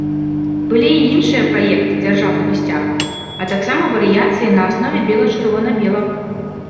Былі і іншыя праекты дзяржаўнага сцяга, а таксама варыяцыі на аснове бела-чырвона-белага.